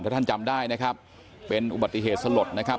ถ้าท่านจำได้นะครับเป็นอุบัติเหตุสลดนะครับ